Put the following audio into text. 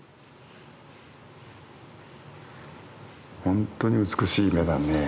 本当に美しい目だね。